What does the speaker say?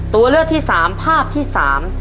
ตัวเลือกที่สามภาพที่สาม